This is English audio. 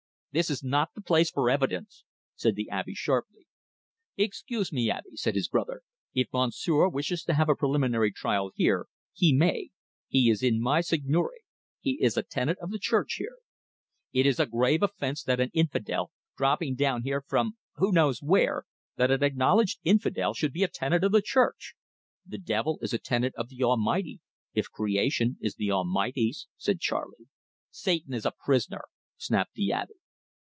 "This is not the place for evidence," said the Abbe sharply. "Excuse me, Abbe," said his brother; "if Monsieur wishes to have a preliminary trial here, he may. He is in my seigneury; he is a tenant of the Church here " "It is a grave offence that an infidel, dropping down here from, who knows where that an acknowledged infidel should be a tenant of the Church!" "The devil is a tenant of the Almighty, if creation is the Almighty's," said Charley. "Satan is a prisoner," snapped the Abbe.